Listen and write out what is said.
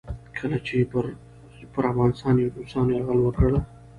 کله چې پر افغانستان روسانو یرغل وکړ.